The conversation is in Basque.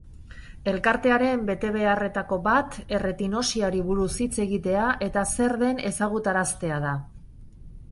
Elkartearen betebeharretako bat erretinosiari buruz hitz egitea eta zer den ezagutaraztea da.